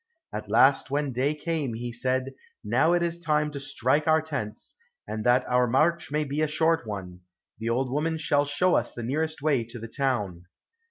At last when day came, he said, "Now it is time to strike our tents, and that our march may be a short one, the old woman shall show us the nearest way to the town."